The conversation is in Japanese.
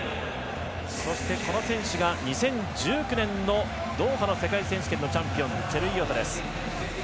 そしてこの選手が２０１９年のドーハの世界選手権のチャンピオンチェルイヨトです。